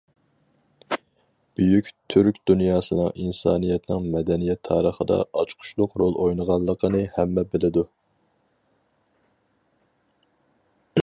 بۈيۈك تۈرك دۇنياسىنىڭ ئىنسانىيەتنىڭ مەدەنىيەت تارىخىدا ئاچقۇچلۇق رول ئوينىغانلىقىنى ھەممە بىلىدۇ.